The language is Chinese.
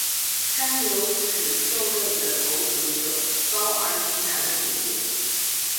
三瘤齿兽类的头颅有高而平坦的顶部。